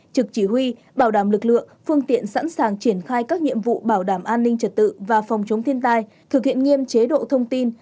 trực chỉ huy bảo đảm lực lượng phương tiện sẵn sàng triển khai các nhiệm vụ bảo đảm an ninh trật tự và phòng chống thiên tai thực hiện nghiêm chế độ thông tin